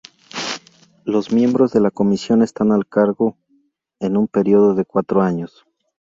Los miembros de la comisión están al cargo en un periodo de cuatro años.